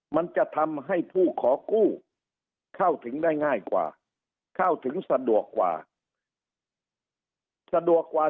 มันจะทำให้ผู้ขอกู้เข้าถึงได้ง่ายกว่าเข้าถึงสะดวกกว่าสะดวกกว่า